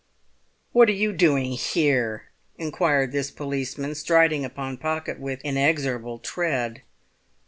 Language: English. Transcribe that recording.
"What are you doing here?" inquired this policeman, striding upon Pocket with inexorable tread.